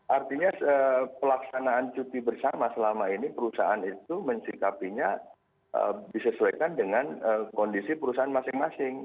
artinya pelaksanaan cuti bersama selama ini perusahaan itu mensikapinya disesuaikan dengan kondisi perusahaan masing masing